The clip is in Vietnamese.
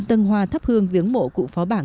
dân hoa thắp hương viếng mộ cụ phó bảng